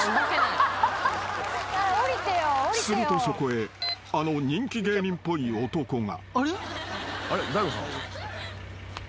［するとそこへあの人気芸人っぽい男が］